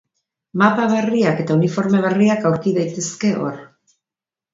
Mapa berriak eta uniforme berriak aurki daitezke hor.